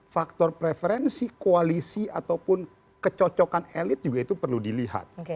faktor preferensi koalisi ataupun kecocokan elit juga itu perlu dilihat